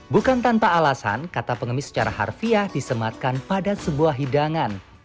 bukan tanpa alasan kata pengemis secara harfiah disematkan pada sebuah hidangan